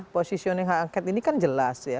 posisioning hak angket ini kan jelas ya